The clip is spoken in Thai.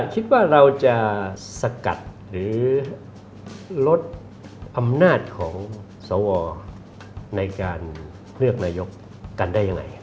คิดว่าเราจะสกัดหรือลดอำนาจของสวในการเลือกนายกกันได้ยังไง